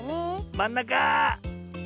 まんなか！